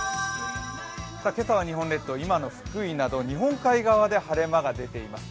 今朝は日本列島今の福井など日本海側で晴れ間が出ています。